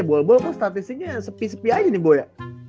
ya ball ball kan statistiknya sepi sepi aja nih boya